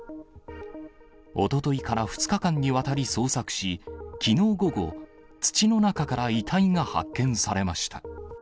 おとといから２日間にわたり捜索し、きのう午後、土の中から遺体が発見されました。